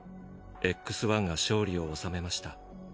Ｘ−が勝利を収めました。